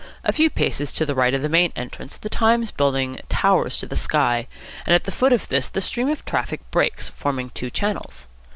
A few paces to the right of the main entrance the Times Building towers to the sky; and at the foot of this the stream of traffic breaks, forming two channels.